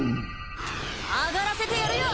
アガらせてやるよ！